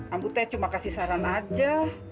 ambo teh cuma kasih saran aja